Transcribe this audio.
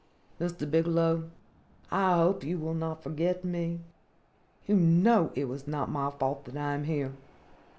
Mr. Bigelow, I hope you will not forget me. You know it was not my fault that I am here.